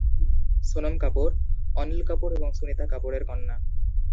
সোনম কাপুর অনিল কাপুর এবং সুনিতা কাপুর এর কন্যা।